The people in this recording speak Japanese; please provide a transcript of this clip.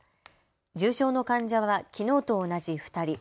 重症の患者はきのうと同じ２人。